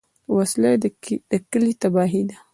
وسله د کلي تباهي ده